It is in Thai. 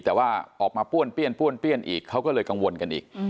แต่ว่าออกมาป้วนเปี้ยนป้วนเปี้ยนอีกเขาก็เลยกังวลกันอีก